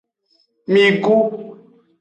Migu.